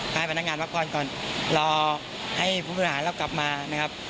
ก็ให้พนักงานพักพรก่อนรอให้ภูมิฐานเรากลับมานะครับ